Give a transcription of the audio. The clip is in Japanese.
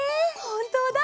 ほんとうだ！